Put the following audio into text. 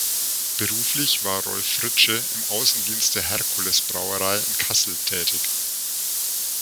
Beruflich war Rolf Fritzsche im Außendienst der Herkules-Brauerei in Kassel tätig.